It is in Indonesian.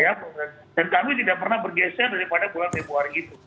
dan kami tidak pernah bergeser daripada bulan februari itu